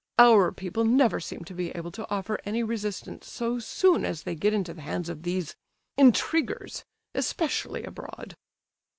Our people never seem to be able to offer any resistance so soon as they get into the hands of these—intriguers—especially abroad."